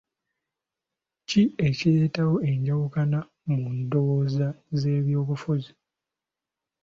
Ki ekireetawo enjawukana mu ndowooza z'ebyobufuzi?